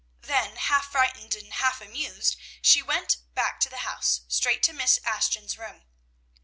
Then, half frightened and half amused, she went back to the house, straight to Miss Ashton's room.